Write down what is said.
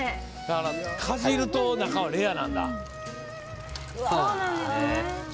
かじると中はレアなんだ。